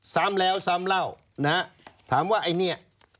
ซ้ำแล้วซ้ำเล่านะฮะถามว่าไอ้เนี่ย